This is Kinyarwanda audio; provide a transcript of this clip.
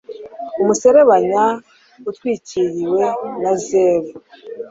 umuserebanya, utwikiriwe na zeru